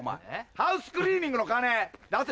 ハウスクリーニングの金出せ。